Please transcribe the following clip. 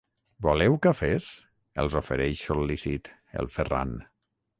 Voleu cafès? —els ofereix, sol·lícit, el Ferran.